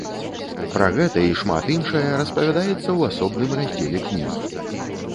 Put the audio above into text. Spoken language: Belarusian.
Пра гэта і шмат іншае распавядаецца ў асобным раздзеле кнігі.